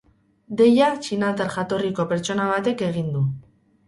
Deia txinatar jatorriko pertsona batek egin du.